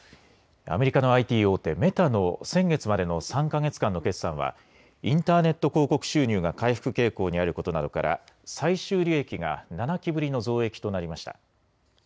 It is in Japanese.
アメリカのＩＴ大手、メタの先月までの３か月間の決算はインターネット広告収入が回復傾向にあることなどから最終利益が７期ぶりの増益となりました。